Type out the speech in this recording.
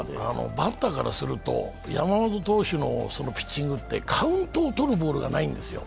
バッターからすると山本投手のピッチングってカウントをとるボールがないんですよ。